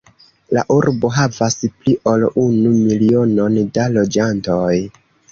La urbo havas pli ol unu milionon da loĝantoj.